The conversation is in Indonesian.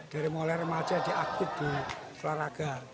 dari mulai remaja di akut di keluarga